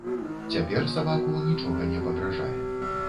Цяпер сабаку нічога не пагражае.